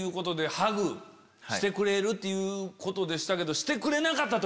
ハグしてくれるということでしたけど。